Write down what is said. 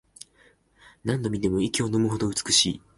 何度見ても息をのむほど美しい